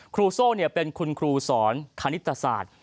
โซ่เป็นคุณครูสอนคณิตศาสตร์